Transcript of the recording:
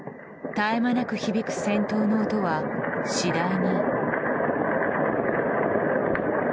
絶え間なく響く戦闘の音は次第に。